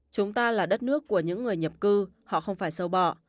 chúng ta là đất nước của những người nhập cư họ không phải sâu bỏ